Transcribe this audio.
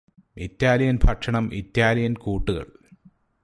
Italian ഭക്ഷണം Italian കൂട്ടുകൾ